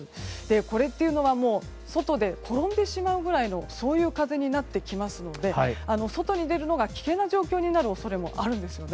これというのは外で転んでしまうくらいの風になってきますので外に出るのが危険な状況になる恐れもあるんですね。